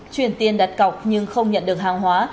chuyển tiền đặt cọc nhưng không nhận được hàng hóa